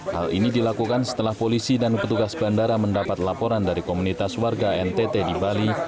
hal ini dilakukan setelah polisi dan petugas bandara mendapat laporan dari komunitas warga ntt di bali